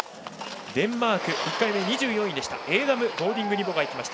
デンマーク、１回目２４位のエーダムボーディング・ニボ。